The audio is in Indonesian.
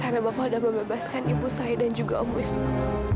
karena bapak udah membebaskan ibu saya dan juga om wisnu